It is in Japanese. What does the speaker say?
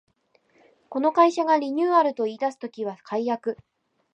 この会社がリニューアルと言いだす時は改悪